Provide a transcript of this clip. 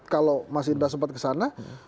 kalau mas indra sempat kesana